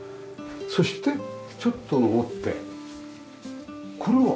そしてちょっと上ってこれは？